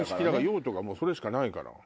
用途がそれしかないから。